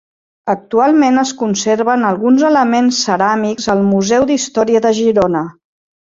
Actualment es conserven alguns elements ceràmics al Museu d'Història de Girona.